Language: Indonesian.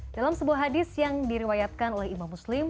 dalam sebuah hadis yang diriwayatkan oleh imam muslim